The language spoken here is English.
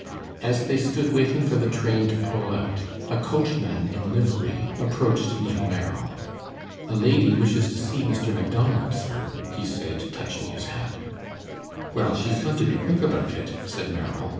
As they stood waiting for the train to pull out, a coachman in livery approached little Merrill. "A lady wishes to see Mr. Macdonald, sir," he said, touching his hat. "Well, she's got to be quick about it," said Merrill.